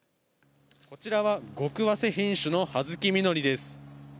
こちらは、ごくわせ品種の葉月みのりです。